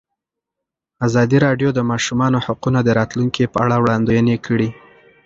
ازادي راډیو د د ماشومانو حقونه د راتلونکې په اړه وړاندوینې کړې.